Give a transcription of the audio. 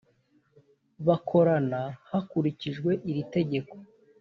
bakorana hakurikijwe iri tegeko